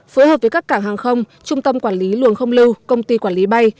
phối hợp với các cảng hàng không trung tâm quản lý luồng không lưu công ty quản lý bay